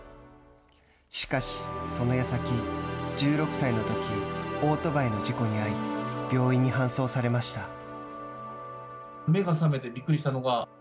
しかし、そのやさき１６歳のとき、オートバイの事故に遭い病院に搬送されました。